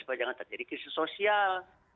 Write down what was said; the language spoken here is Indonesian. supaya jangan terjadi krisis sosial